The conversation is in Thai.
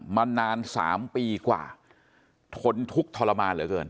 มานาน๓ปีกว่าทนทุกข์ทรมานเหลือเกิน